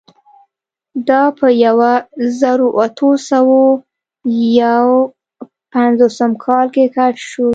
دا په یوه زرو اتو سوو یو پنځوسم کال کې کشف شول.